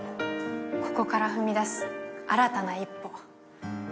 ここから踏み出す新たな一歩。